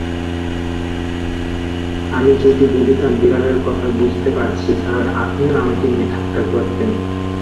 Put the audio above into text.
আমি যদি বলতাম বিড়ালের কথা বুঝতে পারছি, তাহলে আপনিও আমাকে নিয়ে ঠাট্টা করতেন।